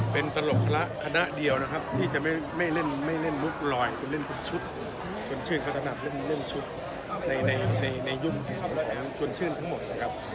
เป็นตลกธนะเดียวนะครับที่จะไม่เล่นมุกรอยเป็นเล่นชุดชนชื่นพัฒนาภเล่นชุดในยุ่มชนชื่นทั้งหมดครับ